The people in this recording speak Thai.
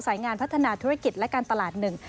งานพัฒนาธุรกิจและการตลาดหนึ่ง